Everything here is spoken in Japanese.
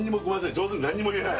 上手に何も言えない